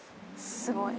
すごい。